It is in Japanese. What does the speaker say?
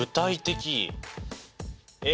え。